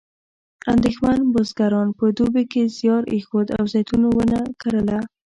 اندېښمن بزګران په دوبي کې زیار ایښود او زیتون ونه کرله.